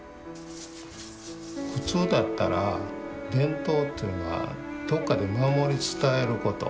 普通だったら伝統というのはどっかで守り伝えること。